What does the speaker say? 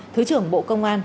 thứ trưởng bộ công an